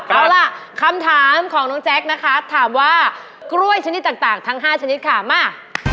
เอาล่ะคำถามของน้องแจ๊คนะคะถามว่ากล้วยชนิดต่างทั้ง๕ชนิดค่ะมา